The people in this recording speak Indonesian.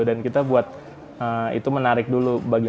kita buat itu menarik dulu